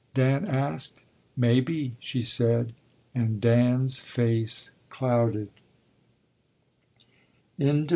Dan asked. Maybe, she said, and Dan's face clouded.